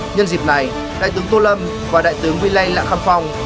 nhân dịp này đại tướng tô lâm và đại tướng quy lê lạc khâm phong